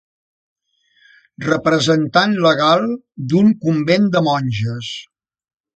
Representant legal d'un convent de monges.